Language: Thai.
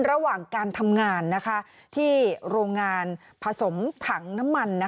ระหว่างการทำงานที่โรงงานผสมถังน้ำมัน